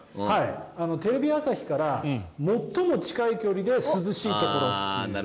テレビ朝日から最も近い距離で涼しいところ。